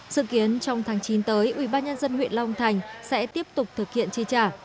dự kiến trong tháng chín tới ubnd huyện long thành sẽ tiếp tục thực hiện chi trả